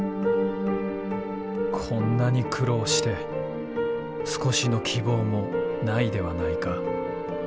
「こんなに苦労して少しの希望もないではないか」。